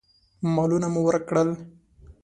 مالونه مو ورک کړل.